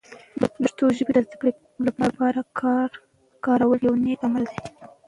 د پښتو ژبه د زده کړې لپاره کارول یوه نیک عمل دی.